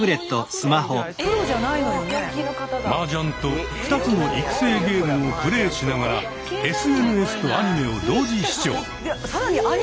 マージャンと２つの育成ゲームをプレーしながらＳＮＳとアニメを同時視聴。